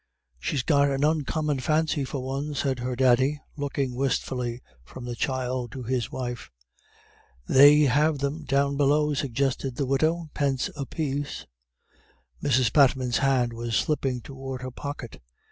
"She's got an oncommon fancy for a one," said her daddy, looking wistfully from the child to his wife. "They have them down below," suggested the widow, "pence apiece." Mrs. Patman's hand was slipping towards her pocket.